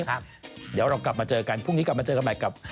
เดี๋ยวเรากลับมาเจอกันพรุ่งนี้กลับมาเจอกันใหม่กับ